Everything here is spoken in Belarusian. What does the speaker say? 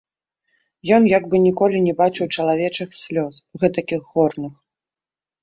Ён як бы ніколі не бачыў чалавечых слёз, гэтакіх горных.